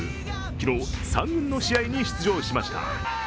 昨日、３軍の試合に出場しました。